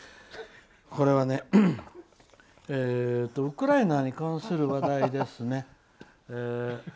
ウクライナに関する話題ですね。